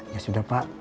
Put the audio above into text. ya sudah pak